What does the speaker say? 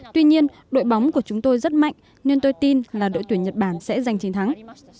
tuy nhiên đội bóng của chúng tôi rất mạnh nên tôi tin là đội tuyển nhật bản sẽ giành chiến thắng